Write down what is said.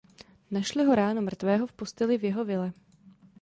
Našli ho ráno mrtvého v posteli v jeho vile.